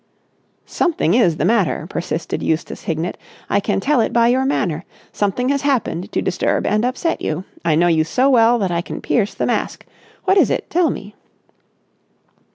"Something is the matter," persisted Eustace Hignett. "I can tell it by your manner. Something has happened to disturb and upset you. I know you so well that I can pierce the mask. What is it? Tell me!"